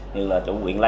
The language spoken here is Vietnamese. như là chủ huyện lê hà